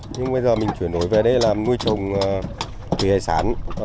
nhưng bây giờ mình chuyển đổi về đây làm nuôi trồng thủy hải sản